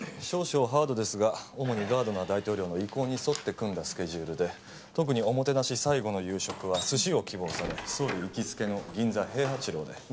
少々ハードですが主にガードナー大統領の意向に沿って組んだスケジュールで特におもてなし最後の夕食は寿司を希望され総理行きつけの銀座平八郎で。